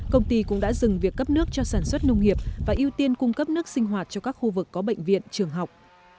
công ty cũng đã dừng việc cấp nước cho sản xuất nông nghiệp và ưu tiên cung cấp nước sinh hoạt cho các khu vực có bệnh viện trường học